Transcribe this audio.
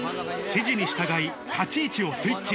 指示に従い、立ち位置をスイッチ。